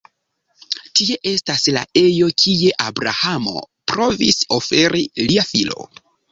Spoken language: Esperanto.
Tie estas la ejo kie Abrahamo provis oferi lia filo.